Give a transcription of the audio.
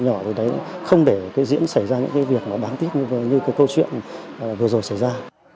nhỏ thì đấy không để cái diễn xảy ra những cái việc mà đáng tiếc như cái câu chuyện vừa rồi xảy ra